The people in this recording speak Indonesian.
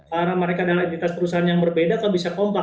karena mereka adalah entitas perusahaan yang berbeda kalau bisa kompak